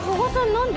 何で？